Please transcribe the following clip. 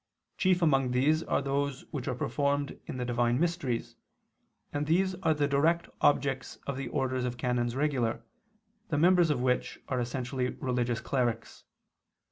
Chief among these are those which are performed in the divine mysteries, and these are the direct object of the orders of canons regular, the members of which are essentially religious clerics.